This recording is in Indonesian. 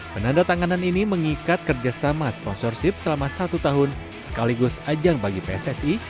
penanda tanganan ini mengikat kerjasama sponsorship selama satu tahun sekaligus ajang bagi pssi